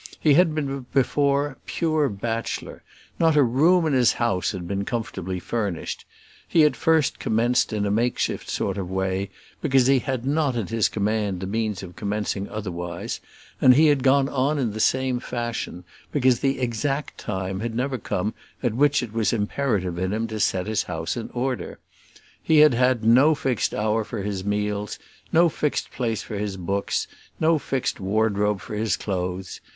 He had been before pure bachelor; not a room in his house had been comfortably furnished; he at first commenced in a makeshift sort of way, because he had not at his command the means of commencing otherwise; and he had gone on in the same fashion, because the exact time had never come at which it was imperative in him to set his house in order. He had had no fixed hour for his meals, no fixed place for his books, no fixed wardrobe for his clothes.